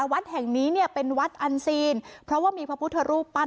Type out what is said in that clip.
วัดแห่งนี้เนี่ยเป็นวัดอันซีนเพราะว่ามีพระพุทธรูปปั้น